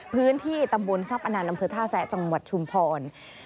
พื้นที่ตำบลทรัพอนานอำเภอท่าแซะจังหวัดชุมพร